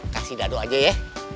kasih dado aja ya